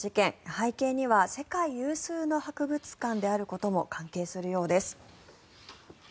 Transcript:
背景には世界有数の博物館であることも関係するようです。